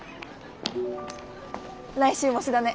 来週も模試だね。